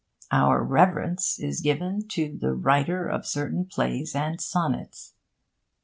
Our reverence is given to the writer of certain plays and sonnets.